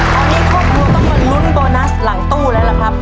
ตอนนี้ครอบครัวต้องมาลุ้นโบนัสหลังตู้แล้วล่ะครับ